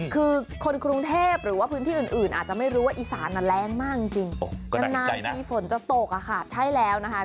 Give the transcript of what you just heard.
คือคนกรุงเทพหรือว่าพื้นที่อื่นอาจจะไม่รู้ว่าอีสานแรงมากจริงนานทีฝนจะตกอะค่ะใช่แล้วนะคะ